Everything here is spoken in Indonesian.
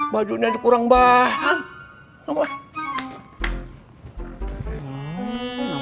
baju ini aja kurang bahan